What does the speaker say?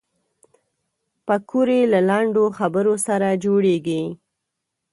پکورې له لنډو خبرو سره جوړېږي